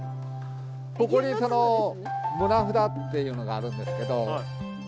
ここにその棟札っていうのがあるんですけど。